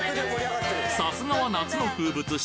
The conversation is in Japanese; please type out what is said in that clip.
さすがは夏の風物詩！